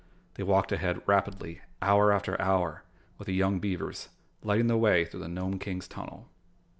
They walked ahead rapidly hour after hour with the young beavers lighting the way through the Nome King's tunnel.